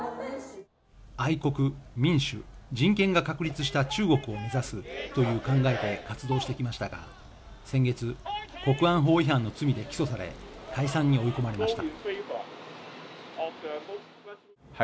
愛国民主人権が確立した中国を目指すという考えで活動していきましたが先月国安法違反の罪で起訴され解散に追い込まれました